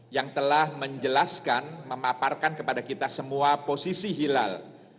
yang telah menjelaskan memaparkan kepada kita semua posisi hilal